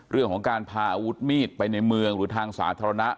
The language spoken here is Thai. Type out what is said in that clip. เรื่องของการพาอาวุธมีดไปในเมืองหรือทางสาธารณะ